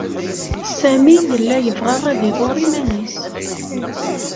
Sami yella yebɣa ad iḍurr iman-is.